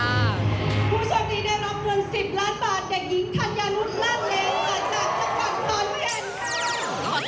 ผู้ชมนี้ได้รับรวม๑๐ล้านบาทเด็กหญิงทันยานุสลาดแลนด์จังหวัดจังหวัดขอนแก่นด์ค่ะ